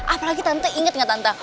apalagi tante ingat gak tante